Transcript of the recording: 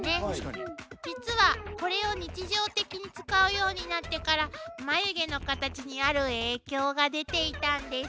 実はこれを日常的に使うようになってから眉毛のカタチにある影響が出ていたんです。